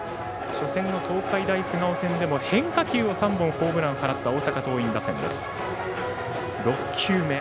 初戦の東海大菅生戦でも変化球を３本ホームランを放った大阪桐蔭打線です。